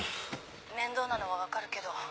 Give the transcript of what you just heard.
面倒なのは分かるけど。